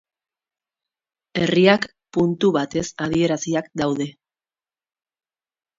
Herriak puntu batez adieraziak daude.